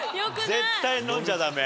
絶対飲んじゃダメ。